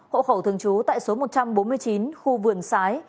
hộ khẩu thường trú tại số một trăm bốn mươi chín khu vườn sái